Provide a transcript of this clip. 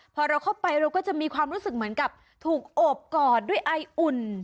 พอเราเข้าไปเราก็จะมีความรู้สึกเหมือนกับถูกโอบกอดด้วยไออุ่น